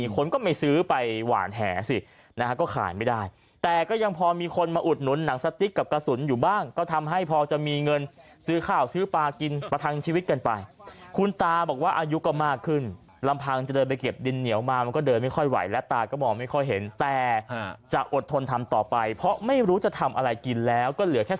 คนก็ไม่ซื้อไปหวานแหสินะฮะก็ขายไม่ได้แต่ก็ยังพอมีคนมาอุดหนุนหนังสติ๊กกับกระสุนอยู่บ้างก็ทำให้พอจะมีเงินซื้อข้าวซื้อปลากินประทังชีวิตกันไปคุณตาบอกว่าอายุก็มากขึ้นลำพังจะเดินไปเก็บดินเหนียวมามันก็เดินไม่ค่อยไหวและตาก็มองไม่ค่อยเห็นแต่จะอดทนทำต่อไปเพราะไม่รู้จะทำอะไรกินแล้วก็เหลือแค่